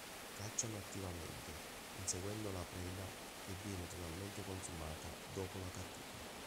Cacciano attivamente, inseguendo la preda che viene totalmente consumata dopo la cattura.